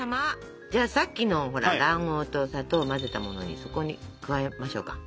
じゃあさっきのほら卵黄と砂糖を混ぜたものにそこに加えましょうか。